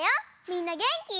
みんなげんき？